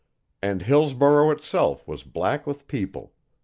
And Hillsborough itself was black with people.